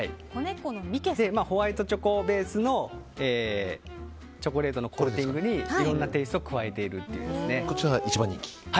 ホワイトチョコベースのチョコレートのコーティングにいろんなテイストを加えていると。